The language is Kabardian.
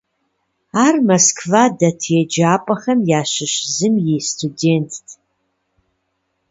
Ар Москва дэт еджапӀэхэм ящыщ зым и студентт.